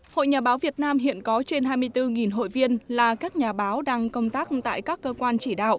hội nhà báo việt nam hiện có trên hai mươi bốn hội viên là các nhà báo đang công tác tại các cơ quan chỉ đạo